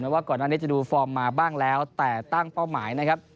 ว่าก่อนอันนี้จะดูฟอร์มมาบ้างแล้วแต่ตั้งเป้าหมายนะครับ